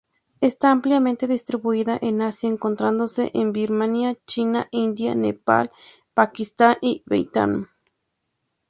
Está ampliamente distribuida en Asia, encontrándose en Birmania, China, India, Nepal, Pakistán y Vietnam.